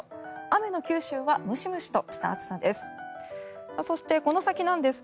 雨の九州はムシムシとした暑さです。